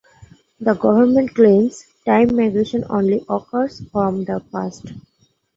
The government claims time migration only occurs from the past.